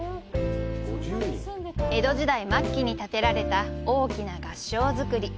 江戸時代末期に建てられた大きな合掌造り。